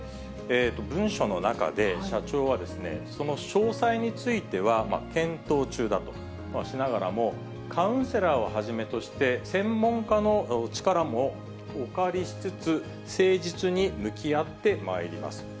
文書の中で、社長は、その詳細については検討中だとしながらも、カウンセラーをはじめとして、専門家の力もお借りしつつ、誠実に向き合ってまいります。